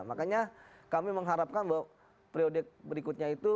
makanya kami mengharapkan bahwa periode berikutnya itu